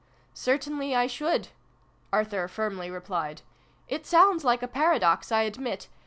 '"Certainly I should," Arthur firmly replied. " It sounds like a paradox, I admit.